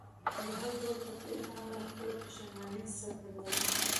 د هر ډول تکلیف له امله خپله پښیماني څرګندوم.